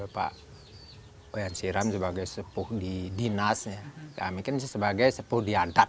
pak oya siram sebagai sepuh di dinas mungkin sebagai sepuh di adat